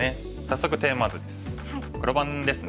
早速テーマ図です。